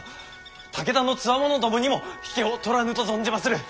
武田のつわものどもにも引けを取らぬと存じまする！